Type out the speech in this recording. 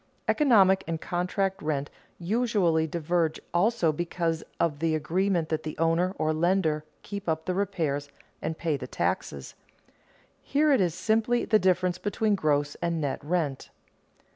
Economic and contract rent usually diverge also because of the agreement that the owner, or lender, keep up the repairs and pay the taxes. Here it is simply the difference between gross and net rent.